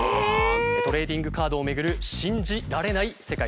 トレーディングカードを巡る信じられない世界です。